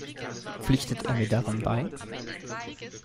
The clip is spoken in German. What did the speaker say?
Pflichtet er mir darin bei?